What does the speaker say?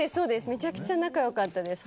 めちゃくちゃ仲良かったです。